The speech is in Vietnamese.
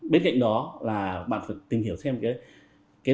bên cạnh đó là bạn phải tìm hiểu thêm cái